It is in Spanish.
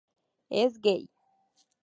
Es gay.